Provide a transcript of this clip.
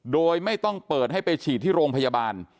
โดยไม่ต้องเปิดให้ไปฉีดที่โรงพยาบาล